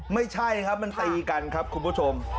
ไม่ใช่ครับมันตีกันครับคุณผู้ชม